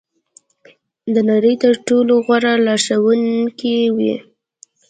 د نړۍ تر ټولو غوره لارښوونکې وي.